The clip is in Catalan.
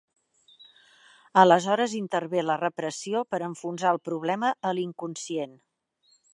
Aleshores intervé la repressió per enfonsar el problema a l'inconscient.